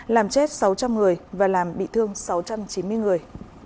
làm chết sáu trăm linh người và làm bị thương sáu trăm chín mươi người